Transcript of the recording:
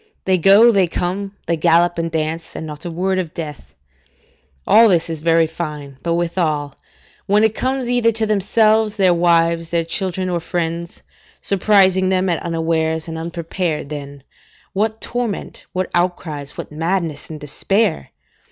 They go, they come, they gallop and dance, and not a word of death. All this is very fine; but withal, when it comes either to themselves, their wives, their children, or friends, surprising them at unawares and unprepared, then, what torment, what outcries, what madness and despair!